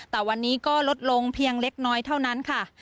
แต่วันนี้ก็ลดลงเพียงเล็กน้อยเท่านั้นค่ะ